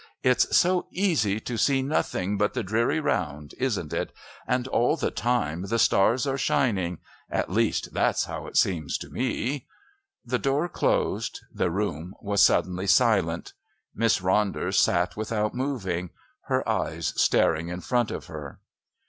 It's so easy to see nothing but the dreary round, isn't it? And all the time the stars are shining.... At least that's how it seems to me." The door closed; the room was suddenly silent. Miss Ronder sat without moving, her eyes staring in front of her.